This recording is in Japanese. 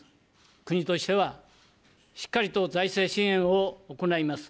国としてはしっかりと財政支援を行います。